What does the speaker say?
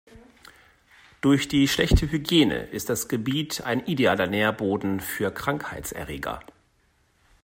Durch die schlechte Hygiene ist das Gebiet ein idealer Nährboden für Krankheitserreger.